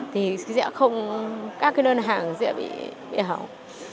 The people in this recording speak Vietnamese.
thì sẽ không các cái đơn hàng dễ bị hỏng